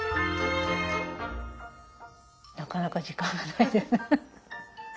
なかなか時間がないですフフフ。